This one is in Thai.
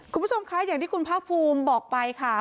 คุณผู้ชมคะอย่างที่คุณภาคภูมิบอกไปค่ะ